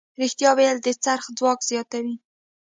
رښتیا ویل د خرڅ ځواک زیاتوي.